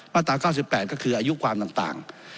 ตรา๙๘ก็คืออายุความต่าง